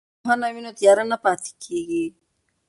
که پوهنه وي نو تیاره نه پاتیږي.